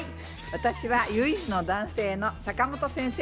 私は唯一の男性の坂本先生